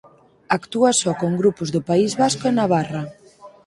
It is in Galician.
Actúa só con grupos do País Vasco e Navarra.